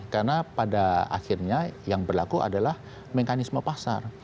karena pada akhirnya yang berlaku adalah mekanisme pasar